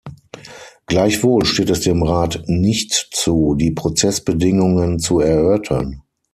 Gleichwohl steht es dem Rat nicht zu, die Prozessbedingungen zu erörtern.